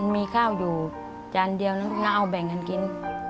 มีข้าวอยู่จานเดียวนะเอาแบ่งกันกิน